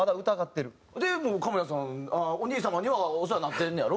でもう亀田さんお兄様にはお世話になってんねやろ？